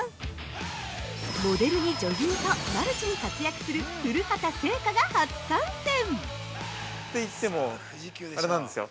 ◆モデルに女優とマルチに活躍する古畑星夏が初参戦！